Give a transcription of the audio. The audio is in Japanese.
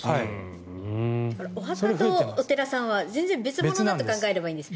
お寺とお墓は全然別物だと考えればいいんです。